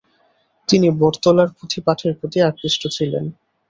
তিনি বটতলার পুঁথি পাঠের প্রতি আকৃষ্ট ছিলেন।